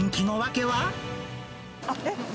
あっ？